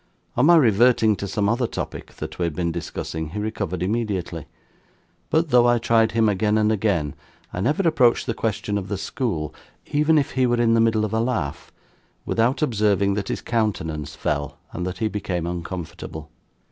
On my reverting to some other topic that we had been discussing, he recovered immediately; but, though I tried him again and again, I never approached the question of the school, even if he were in the middle of a laugh, without observing that his countenance fell, and that he became uncomfortable.